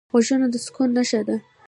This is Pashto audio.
غوږونه د سکون نښه ده